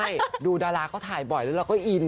ไม่ดูดาราเขาถ่ายบ่อยแล้วเราก็อิกน์ก่อน